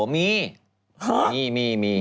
มีมีมี